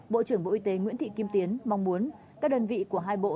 bộ trưởng bộ y tế nguyễn thị kim tiến mong muốn các đơn vị của hai bộ